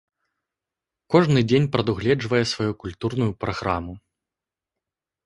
Кожны дзень прадугледжвае сваю культурную праграму.